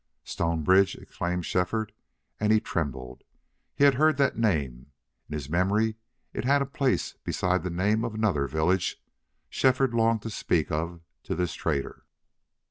"Stonebridge!" exclaimed Shefford, and he trembled. He had heard that name. In his memory it had a place beside the name of another village Shefford longed to speak of to this trader.